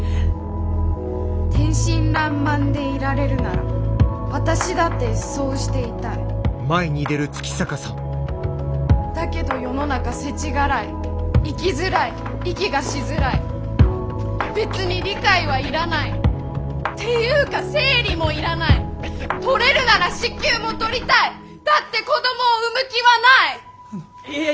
天真爛漫でいられるなら私だってそうしていたいだけど世の中世知辛い生きづらい息がしづらい別に理解はいらないてゆーか生理もいらないとれるなら子宮もとりたいだって子供を産む気はないいや